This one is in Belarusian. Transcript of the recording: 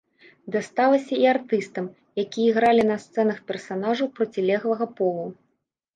Дасталася і артыстам, якія ігралі на сцэнах персанажаў процілеглага полу.